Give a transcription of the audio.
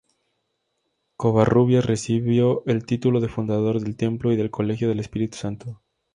Covarrubias recibió el título de fundador del Templo y del Colegio del Espíritu Santo.